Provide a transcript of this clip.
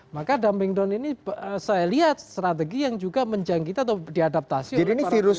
maka dumping down ini saya lihat strategi yang juga menjangkiti atau diadaptasi oleh pemerintah